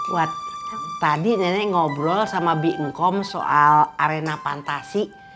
wad tadi nenek ngobrol sama bnkom soal arena fantasi